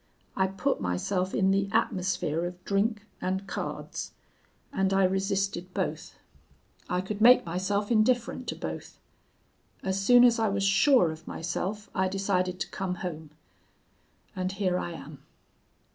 I put myself in the atmosphere of drink and cards. And I resisted both. I could make myself indifferent to both. As soon as I was sure of myself I decided to come home. And here I am.'